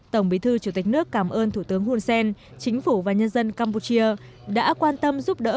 tổng bí thư chủ tịch nước cảm ơn thủ tướng hun sen chính phủ và nhân dân campuchia đã quan tâm giúp đỡ